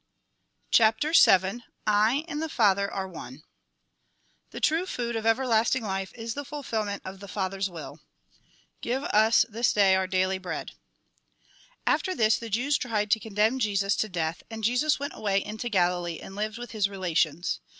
CHAPTER VII I AND THE FATHER ARE ONE The true food of everlasting life is the fulfilment of the Father's will ("©(ve US tbts Ciag our &ailg breaD") After this the Jews tried to condemn Jesus to death, and Jesus went away into Galilee, and lived with his relations.